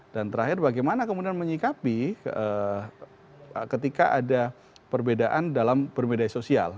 dan terakhir bagaimana kemudian menyikapi ketika ada perbedaan dalam bermedia sosial